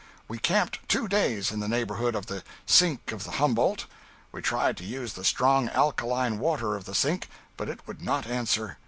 We camped two days in the neighborhood of the "Sink of the Humboldt." We tried to use the strong alkaline water of the Sink, but it would not answer.